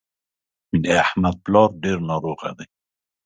د احمد پلار ډېر ناروغ دی